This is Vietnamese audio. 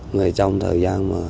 người trong thời gian mà